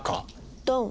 ドン。